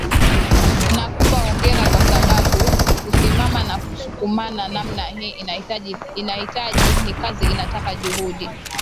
nakupa hongera kwa sababu kusimama na kusukumana namna hii inahitaji ni kazi inataka juhudi